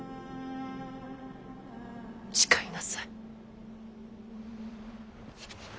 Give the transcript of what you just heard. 誓いなさい。